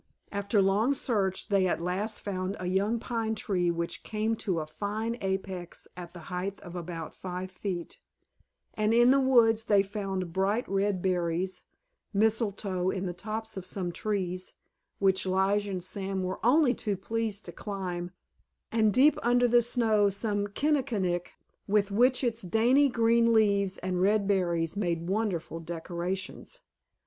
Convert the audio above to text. After long search they at last found a young pine tree which came to a fine apex at the height of about five feet, and in the woods they found bright red berries, mistletoe in the tops of some trees, which Lige and Sam were only too pleased to climb, and deep under the snow some kinnikinick, which with its dainty green leaves and red berries made wonderful decorations.